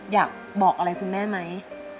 อยากบอกอะไรคุณแม่ไหม